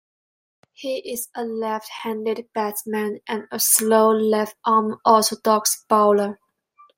He is a left-handed batsman and a slow left-arm orthodox bowler.